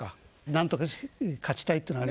なんとか勝ちたいっていうのは。